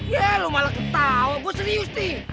ye lu malah ketawa gua serius nih